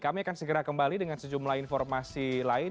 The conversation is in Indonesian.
kami akan segera kembali dengan sejumlah informasi lain